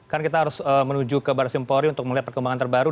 kan kita harus menuju ke baris simpori untuk melihat perkembangan terbaru